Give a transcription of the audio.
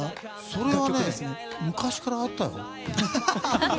それは昔からあったよ。